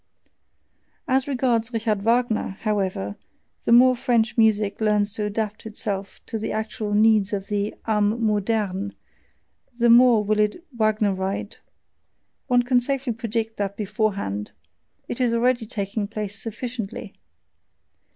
As regards Richard Wagner, however, the more French music learns to adapt itself to the actual needs of the AME MODERNE, the more will it "Wagnerite"; one can safely predict that beforehand, it is already taking place sufficiently!